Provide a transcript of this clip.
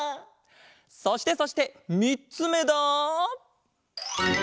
そしてそしてみっつめだ。